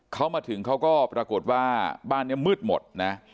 เขามาถึงเขาก็ปรากฏว่าบ้านนี้มืดหมดนะ